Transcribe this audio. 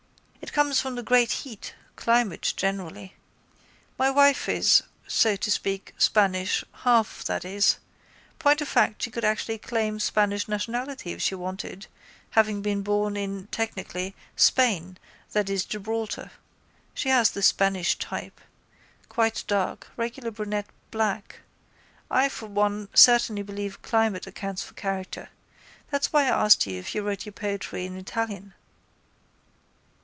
It comes from the great heat, climate generally. My wife is, so to speak, Spanish, half that is. Point of fact she could actually claim Spanish nationality if she wanted, having been born in (technically) Spain, i.e. Gibraltar. She has the Spanish type. Quite dark, regular brunette, black. I for one certainly believe climate accounts for character. That's why I asked you if you wrote your poetry in Italian.